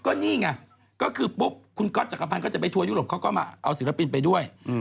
ก็นี่ไงก็คือปุ๊บคุณก๊อตจักรพันธ์ก็จะไปทัวร์ยุโรปเขาก็มาเอาศิลปินไปด้วย